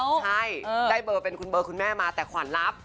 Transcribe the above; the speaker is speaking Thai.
ใช่ได้เบอร์เป็นคุณเบอร์คุณแม่มาแต่ขวัญรับ